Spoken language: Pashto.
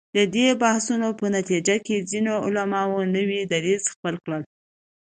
د دې بحثونو په نتیجه کې ځینو علماوو نوی دریځ خپل کړ.